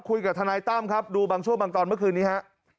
คุยกับทนายต้ำครับดูบางชั่วบางตอนเมื่อคืนนี้ฮะ